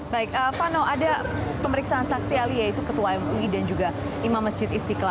baik fano ada pemeriksaan saksi ali yaitu ketua mui dan juga imam masjid istiqlal